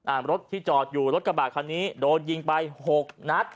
รถที่จอดอยู่รถกระบาดคันนี้โดนยิงไปหกนัด